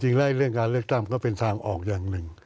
เรื่องการเลือกตั้งก็เป็นทางออกอย่างหนึ่ง